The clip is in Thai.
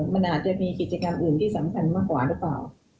มันอาจจะมีกิจกรรมอื่นที่สำคัญมากกว่าหรือเปล่า